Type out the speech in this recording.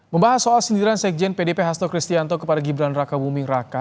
membahas soal sindiran sekjen pdp hasto kristianto kepada gibran raka buming raka